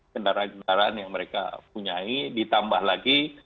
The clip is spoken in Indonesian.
kendaraan kendaraan yang mereka punyai ditambah lagi